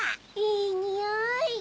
いいにおい。